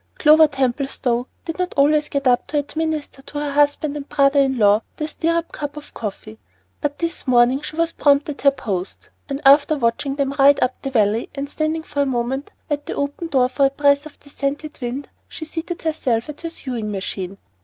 Clover Templestowe did not always get up to administer to her husband and brother in law their "stirrup cup" of coffee; but this morning she was prompt at her post, and after watching them ride up the valley, and standing for a moment at the open door for a breath of the scented wind, she seated herself at her sewing machine.